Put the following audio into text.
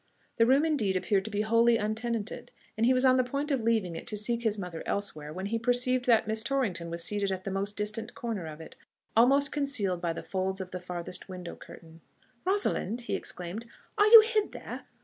The room, indeed, appeared to be wholly untenanted, and he was on the point of leaving it to seek his mother elsewhere, when he perceived that Miss Torrington was seated at the most distant corner of it, almost concealed by the folds of the farthest window curtain. "Rosalind!" ... he exclaimed, "are you hid there?...